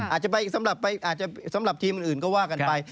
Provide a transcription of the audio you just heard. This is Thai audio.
อาจจะไปสำหรับทีมอื่นก็ว่ากันไป